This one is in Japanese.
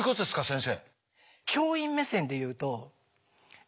先生。